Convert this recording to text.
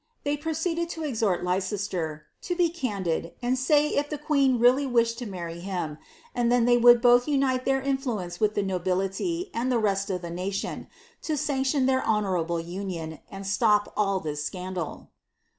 They proceeded to exhort Leicester ^ to be candid, and say if the queen really wished to marry him, and then tliey would both unite their influence with the nobility and the rest of the nation to sanction their honourable union, and stop all this scandal.